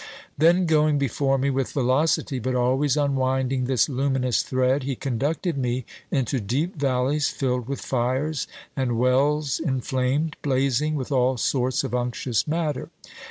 "Then going before me with velocity, but always unwinding this luminous thread, he conducted me into deep valleys filled with fires, and wells inflamed, blazing with all sorts of unctuous matter.